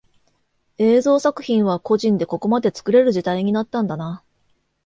映像作品は個人でここまで作れる時代になったんだな